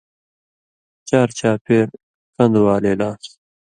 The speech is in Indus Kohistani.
چارچاپیر کن٘دہۡ والے لان٘س،